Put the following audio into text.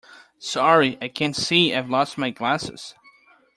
Sorry, I can't see. I've lost my glasses